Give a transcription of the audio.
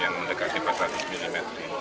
yang mendekati empat ratus mm